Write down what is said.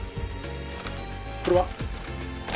これは？